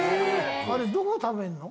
あれ、どこ食べんの？